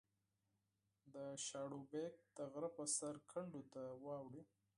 د شاړوبېک د غره په سر کنډو ته واوړې